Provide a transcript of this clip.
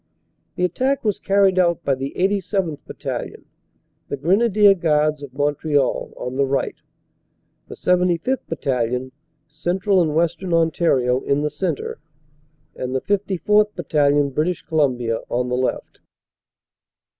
The attack was car ried out by the 87th. Battalion, the Grenadier Guards of Mont real, on the right, the 75th. Battalion, Central and Western Ontario, in the centre, and the 54th. Battalion, British Colum bia, on the left.